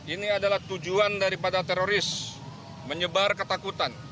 ini adalah tujuan daripada teroris menyebar ketakutan